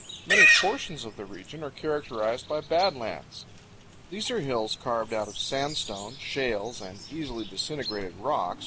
Many portions of the region are characterized by bad lands. These are hills carved out of sandstone, shales, and easily disintegrated rocks, which present many 69 powell canyons 42.